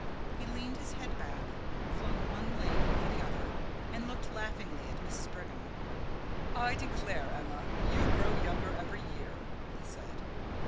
He leaned his head back, flung one leg over the other, and looked laughingly at Mrs. Brigham. "I declare, Emma, you grow younger every year," he said.